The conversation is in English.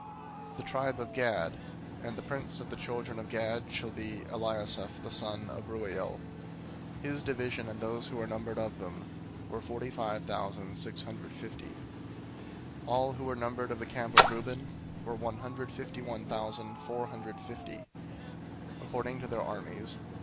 002:014 "The tribe of Gad: and the prince of the children of Gad shall be Eliasaph the son of Reuel. 002:015 His division, and those who were numbered of them, were forty five thousand six hundred fifty. 002:016 "All who were numbered of the camp of Reuben were one hundred fifty one thousand four hundred fifty, according to their armies.